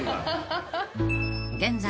［現在］